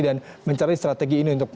dan mencari strategi ini untuk